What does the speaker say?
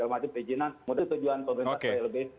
kelembagaan perizinan itu tujuan pemerintah saya lebih